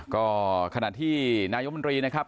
ก็ขณะที่นายมนตรีนะครับ